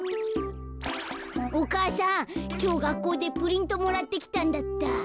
お母さんきょうがっこうでプリントもらってきたんだった。